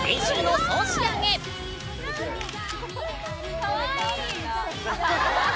かわいい！